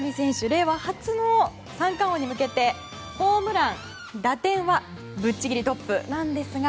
令和初の三冠王に向けてホームラン、打点はぶっちぎりトップなんですが